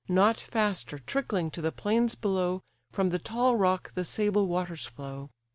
Not faster, trickling to the plains below, From the tall rock the sable waters flow.